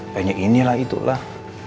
kayaknya inilah itulah